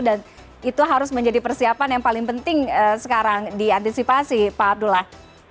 dan itu harus menjadi persiapan yang paling penting sekarang diantisipasi pak abdullah